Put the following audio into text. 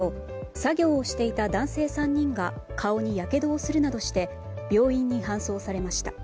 警察などによりますと作業をしていた男性３人が顔にやけどをするなどして病院に搬送されました。